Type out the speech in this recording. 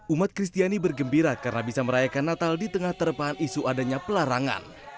umat kristiani bergembira karena bisa merayakan natal di tengah terpahan isu adanya pelarangan